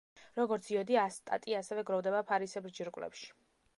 როგორც იოდი, ასტატი ასევე გროვდება ფარისებრ ჯირკვლებში.